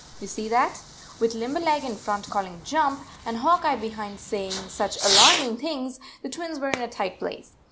You see that, with Limberleg in front calling "Jump " and Hawk Eye behind say 76 ing such alarming things, the Twins were in a tight place.